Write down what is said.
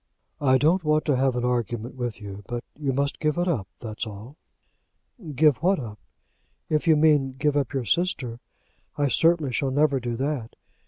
"I don't want to have an argument with you; but you must give it up; that's all." "Give what up? If you mean give up your sister, I certainly shall never do that.